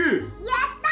やった！